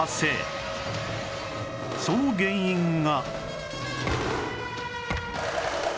その原因が